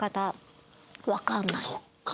そっか。